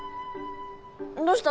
どうした？